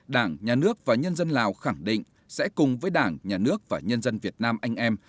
đảng nhà nước và nhân dân lào khẳng định sẽ cùng với đảng nhà nước và nhân dân việt nam anh em